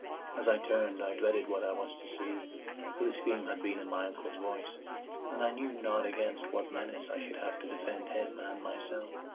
As I turned, I dreaded what I was to see; for the scream had been in my uncle's voice, and I knew not against what menace I should have to defend him and myself.